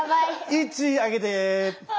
１上げて。